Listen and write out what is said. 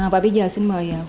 và bây giờ xin mời